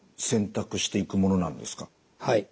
はい。